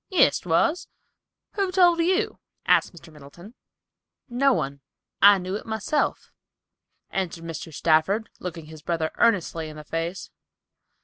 "Yes, 'twas; who told you?" asked Mr. Middleton. "No one. I knew it myself," answered Mr. Stafford, looking his brother earnestly in the face.